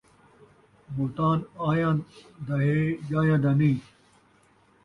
ملتاں آئیاں دے ہے ، ڄائیاں دا نئیں